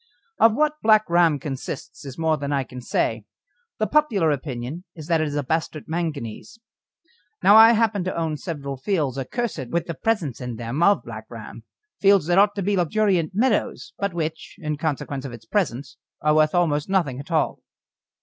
Of what Black Ram consists is more than I can say; the popular opinion is that it is a bastard manganese. Now I happen to own several fields accursed with the presence in them of Black Ram fields that ought to be luxuriant meadows, but which, in consequence of its presence, are worth almost nothing at all.